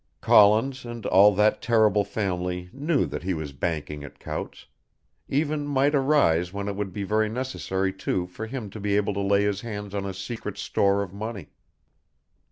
Collins and all that terrible family knew that he was banking at Coutts', events might arise when it would be very necessary too for him to be able to lay his hands on a secret store of money.